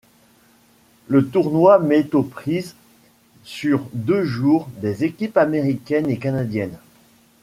Le tournoi met aux prises sur deux jours des équipes américaines et canadiennes.